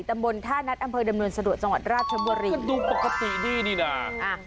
ตำบลท่านัทอำเภอดำเนินสะดวกจังหวัดราชบุรีดูปกติดีนี่นี่น่ะ